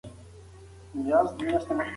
انټرنیټ د یوازیتوب او غفلت احساس له منځه وړي.